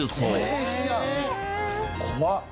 怖っ！